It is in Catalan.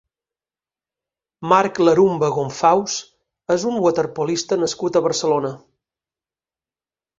Marc Larumbe Gonfaus és un waterpolista nascut a Barcelona.